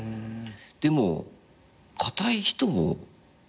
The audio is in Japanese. でもかたい人も。